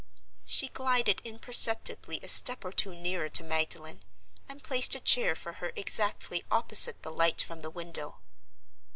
She glided imperceptibly a step or two nearer to Magdalen, and placed a chair for her exactly opposite the light from the window.